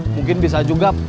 mungkin bisa juga